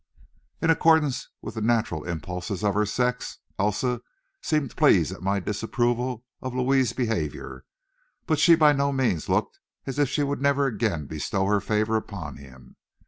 In accordance with the natural impulses of her sex, Elsa seemed pleased at my disapproval of Louis's behavior, but she by no means looked as if she would never again bestow her favor upon him.